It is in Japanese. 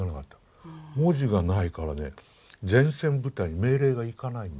文字がないからね前線部隊に命令がいかないんですよ。